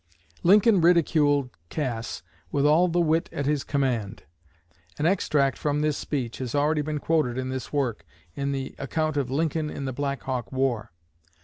Lincoln ridiculed Cass with all the wit at his command. An extract from this speech has already been quoted in this work, in the account of Lincoln in the Black Hawk War.